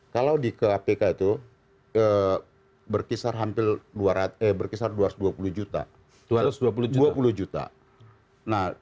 kalau di kpk itu berkisar dua ratus dua puluh juta